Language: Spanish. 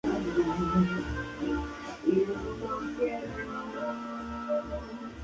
El horario seria confirmado por la prensa escrita y las promociones para el programa.